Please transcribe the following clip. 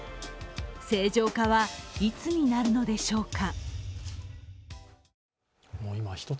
正常化はいつになるのでしょうか。